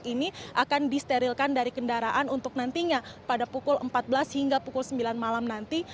dan nanti akan diterapkan dari kendaraan untuk nantinya pada pukul empat belas hingga pukul sembilan malam nanti